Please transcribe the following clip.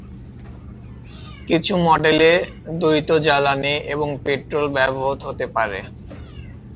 কিছু মডেলে দ্বৈত জ্বালানী এবং পেট্রল ব্যবহৃত হতে পারে।